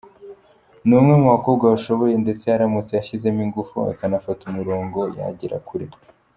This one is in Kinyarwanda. Ni umwe mu bakobwa bashoboye ndetse aramutse ashyizemo ingufu akanafata umurongo, yagera kure.